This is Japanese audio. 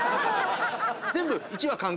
全部。